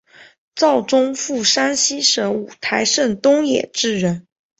赵宗复山西省五台县东冶镇人。